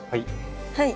はい。